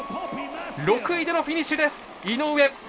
６位でのフィニッシュ、井上。